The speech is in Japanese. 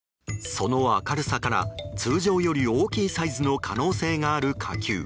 その明るさから通常より大きいサイズの可能性がある火球。